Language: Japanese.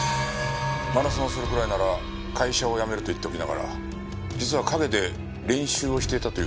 「マラソンをするくらいなら会社を辞める」と言っておきながら実は陰で練習をしていたというわけか。